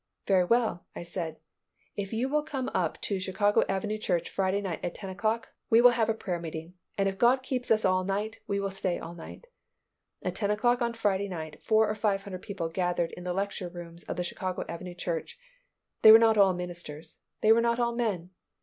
"Very well," I said. "If you will come up to Chicago Avenue Church Friday night at ten o'clock, we will have a prayer meeting and if God keeps us all night, we will stay all night." At ten o'clock on Friday night four or five hundred people gathered in the lecture rooms of the Chicago Avenue Church. They were not all ministers. They were not all men.